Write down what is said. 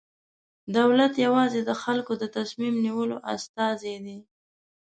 دولت یوازې د خلکو د تصمیم نیولو استازی دی.